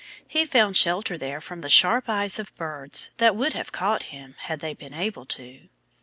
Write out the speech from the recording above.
He found shelter there from the sharp eyes of birds that would have caught him had they been able to.